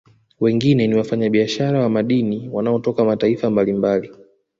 Wengine ni wafanya biashara wa madini wanatoka mataifa mbalimbali